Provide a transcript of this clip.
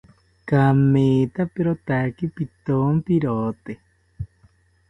Kamethaperotaki pithonpirote